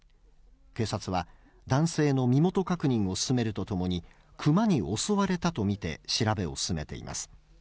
警察は、男性の身元確認を進めるとともに、クマに襲われたと見て調べを進めています。